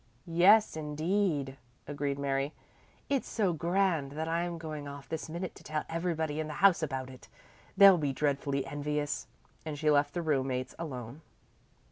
"Yes indeed," agreed Mary. "It's so grand that I'm going off this minute to tell everybody in the house about it. They'll be dreadfully envious," and she left the roommates alone.